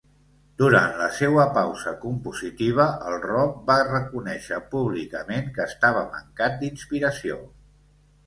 Durant la seua pausa compositiva, el Robe va reconéixer públicament que estava mancat d'inspiració.